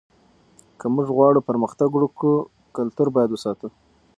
که موږ غواړو پرمختګ وکړو کلتور باید وساتو.